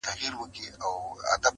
o خپـله گرانـه مړه مي په وجود كي ده.